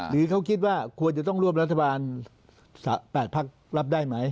หรือเขาคิดว่าควรจะต้องร่วมรัฐบาล๘พักรับได้ไหม